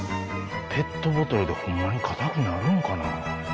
ペットボトルでホンマに硬くなるんかな？